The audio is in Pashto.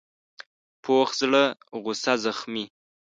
پوخ زړه غصه زغمي